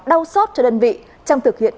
đau sót cho đơn vị trong thực hiện